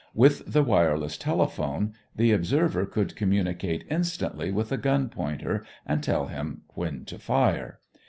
With the wireless telephone, the observer could communicate instantly with the gun pointer, and tell him when to fire.